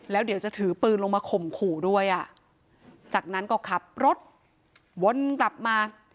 แล้วเดี๋ยวจะถือปืนลงมาข่มขู่ด้วยอ่ะจากนั้นก็ขับรถวนกลับมา